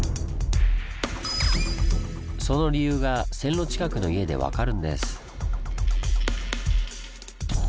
その理由が線路近くの家で分かるんです。